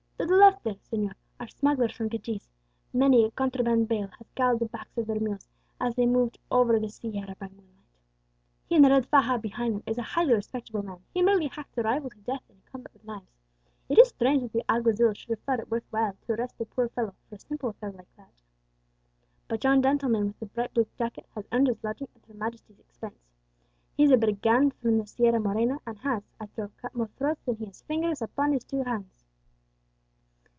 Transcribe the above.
To the left there, señor, are smugglers from Cadiz; many a contraband bale has galled the backs of their mules as they moved over the sierra by moonlight. He in the red faja behind them is a highly respectable man; he merely hacked a rival to death in a combat with knives: it is strange that the alguazils should have thought it worth while to arrest the poor fellow for a simple affair like that. But yon gentleman with the bright blue jacket has earned his lodging at Her Majesty's expense; he is a brigand from the Sierra Morena, and has, I trow, cut more throats than he has fingers upon his two hands."